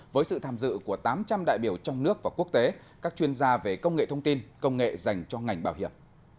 với sự tham dự của tám trăm linh đại biểu trong nước và quốc tế các chuyên gia về công nghệ thông tin công nghệ dành cho ngành bảo hiểm